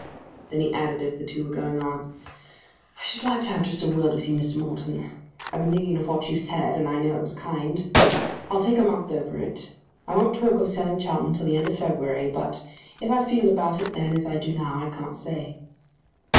Then he added as the two were going on, "I should like to have just a word with you, Mr. Morton. I've been thinking of what you said, and I know it was kind. I'll take a month over it. I won't talk of selling Chowton till the end of February; but if I feel about it then as I do now I can't stay."